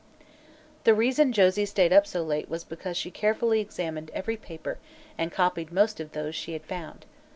The reason Josie stayed up so late was because she carefully examined every paper and copied most of those she had found.